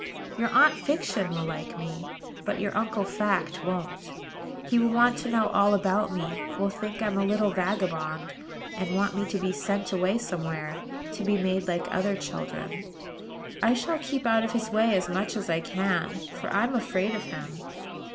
Your Aunt Fiction will like me; but your Uncle Fact won't. He will want to know all about me; will think I'm a little vagabond; and want me to be sent away somewhere, to be made like other children. I shall keep out of his way as much as I can; for I'm afraid of him."